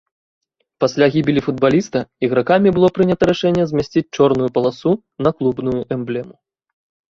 Пасля гібелі футбаліста ігракамі было прынята рашэнне змясціць чорную паласу на клубную эмблему.